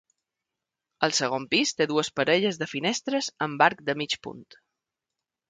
El segon pis té dues parelles de finestres amb arc de mig punt.